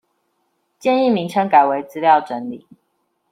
建議名稱改為資料整理